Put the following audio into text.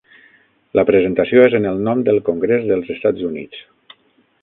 La presentació és en el nom del Congrés dels Estats Units.